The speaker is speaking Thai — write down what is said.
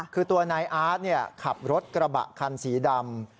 คือตัวนายอาร์ตขับรถกระบะคันสีดำ